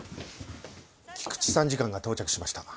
菊池参事官が到着しました。